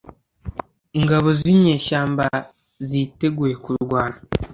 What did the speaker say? Ingabo zinyeshyamba ziteguye kurwana